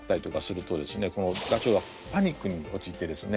このダチョウがパニックにおちいってですね